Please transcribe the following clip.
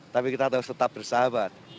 tapi kita harus tetap bersahabat